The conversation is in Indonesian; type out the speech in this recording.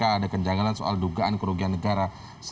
ada kejanggalan soal dugaan kerugian negara